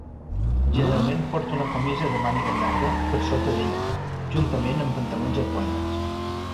Generalment porta una camisa de màniga llarga per sota d'ella, juntament amb pantalons de quadres.